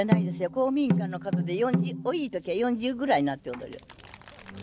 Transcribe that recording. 公民館の角で多い時は四重ぐらいになって踊りよる。